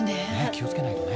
気をつけないとね。